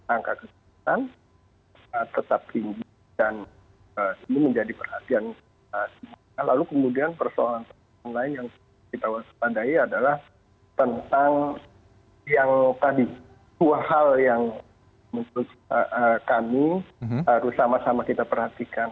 angka kesehatan tetap tinggi dan ini menjadi perhatian kita lalu kemudian persoalan persoalan lain yang kita waspadai adalah tentang yang tadi dua hal yang menurut kami harus sama sama kita perhatikan